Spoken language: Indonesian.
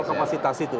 soal kapasitas itu